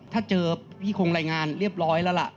ถ้าเจอพี่คงรายงานเรียบร้อยแล้วล่ะ